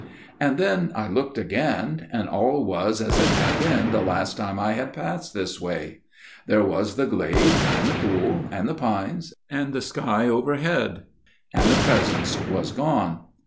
"And then I looked again, and all was as it had been the last time I had passed this way. There was the glade and the pool and the pines and the sky overhead, and the Presence was gone.